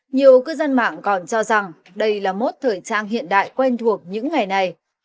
nhiều cư dân mạng còn cho rằng đây là mốt thời trang hiện đại quen thuộc những ngày này